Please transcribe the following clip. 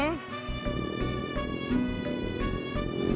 masa saya harus seneng